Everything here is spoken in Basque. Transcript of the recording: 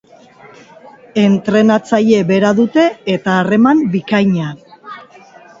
Entrenatzaile bera dute eta harreman bikaina.